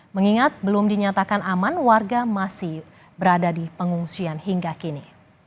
mengingat belum dinyatakan aman warga masih berada di pengungsian hingga kini